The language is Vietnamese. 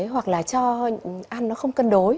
hoặc là cho ăn nó không cân đối